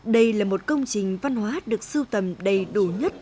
đây là một công trình văn hóa được sưu tầm đầy đủ nhất